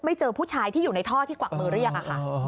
เจอผู้ชายที่อยู่ในท่อที่กวักมือเรียกอะค่ะ